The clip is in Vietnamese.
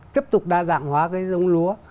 tiếp tục đa dạng hóa cái dông lúa